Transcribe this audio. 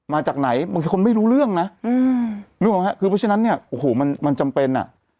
มาจากไหนบางคนไม่รู้เรื่องนะด้วยจริงไหมคือเพราะฉะนั้นเนี่ยมันจำเป็นอ่ะ